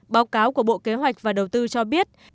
báo cáo của bộ kế hoạch và đầu tư cho biết